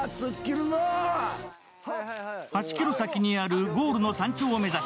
８ｋｍ先にあるゴールの山頂目指し